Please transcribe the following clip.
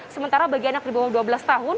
sementara bagi anak di bawah dua belas tahun